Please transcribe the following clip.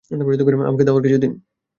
আমাকে খাওয়ার কিছু দিন।